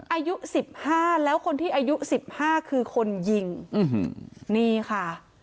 อายุสิบห้าแล้วคนที่อายุสิบห้าคือคนยิงนี่ค่ะ